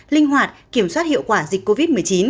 linh hoạt kiểm soát hiệu quả dịch covid một mươi chín